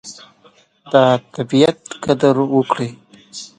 د طبیعت قدر وکړه.